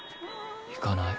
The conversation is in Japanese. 行かない。